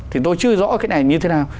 thì tôi chưa rõ cái này như thế nào